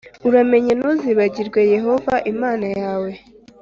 Uramenye ntuzibagirwe Yehova Imana yawe